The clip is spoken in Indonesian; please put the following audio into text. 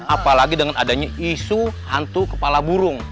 apalagi dengan adanya isu hantu kepala burung